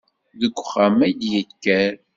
Deg uxxam-a i d-yekker.